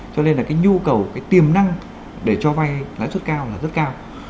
cho nên là cái nhu cầu cái tiềm năng để cho vay lãi suất cao là rất cao